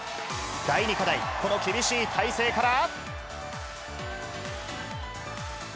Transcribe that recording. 第２課題、この厳しい体勢から。